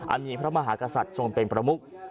มีพระมหากษัตริย์ทรงเป็นประมุก